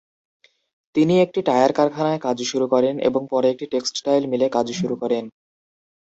তিনি একটি টায়ার কারখানায় কাজ শুরু করেন এবং পরে একটি টেক্সটাইল মিলে কাজ শুরু করেন।